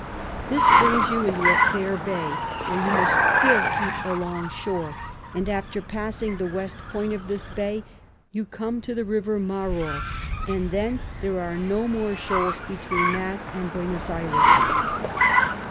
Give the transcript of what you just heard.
This brings you into a fair Bay, where you must still keep along shore: and after passing the West Point of this Bay, you come to the River Maroer, and then there are no more Shoals between that and Buenos Ayres.